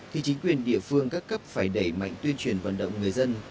thì chính quyền địa phương các cấp phải đẩy mạnh tuyên truyền vận động người dân